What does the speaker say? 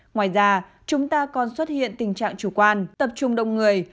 ngoài ra chúng ta còn xuất hiện tình trạng chủ quan tập trung đông người